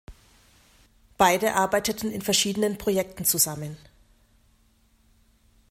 Beide arbeiteten in verschiedenen Projekten zusammen.